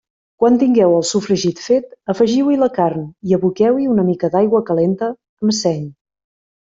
Quan tingueu el sofregit fet, afegiu-hi la carn i aboqueu-hi una mica d'aigua calenta, amb seny.